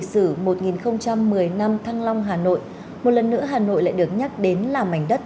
lịch sử một nghìn một mươi năm thăng long hà nội một lần nữa hà nội lại được nhắc đến là mảnh đất